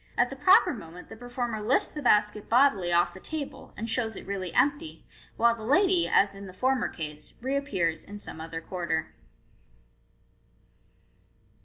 At the proper moment the performer lifts the basket bodily off the table, and shows it really empty, while the lady, as in the former case, reappears in some other quarter.